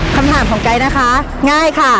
คำถามของไกด์นะคะง่ายค่ะ